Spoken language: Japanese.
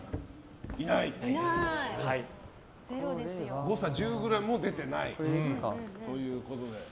誤差１０ｇも出ていないということで。